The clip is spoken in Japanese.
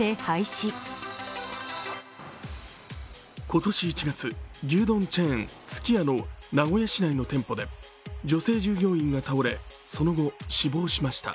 今年１月、牛丼チェーンすき家の名古屋市内の店舗で女性従業員が倒れ、その後、死亡しました。